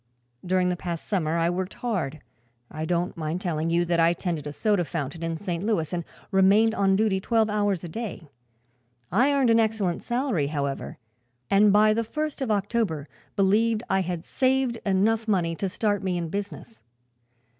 During the past summer I worked hard. I don't mind telling you that I tended a soda fountain in St. Louis and remained on duty twelve hours a day. I earned an excellent salary, however, and by the first of October believed I had saved enough money to start me in business.